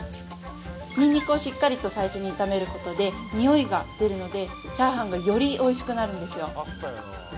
にんにくをしっかりと最初に炒めることで、匂いが出るので、チャーハンがよりおいしくなるんですよ。